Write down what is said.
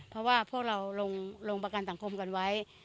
เพราะว่าพวกเราลงประกันสังคมกันไว้